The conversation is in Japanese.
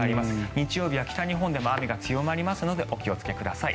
日曜日は北日本でも雨が強まりますのでお気をつけください。